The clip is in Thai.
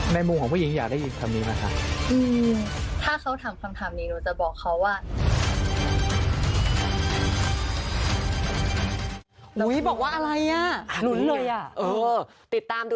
มุมของผู้หญิงอยากได้ยินคำนี้ไหมครับ